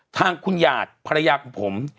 ทางคุณหยาดภรรยาของผม